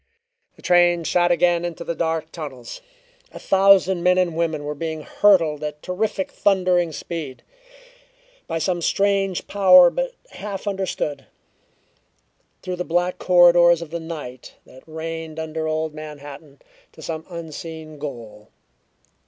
The train shot again into the dark tunnels. A thousand men and women were being hurtled at terrific thundering speed, by some strange power but half understood, through the black corridors of the night that reigned under old Manhattan, to some unseen goal.